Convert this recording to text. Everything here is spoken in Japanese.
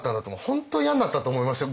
本当に嫌になったと思いますよ。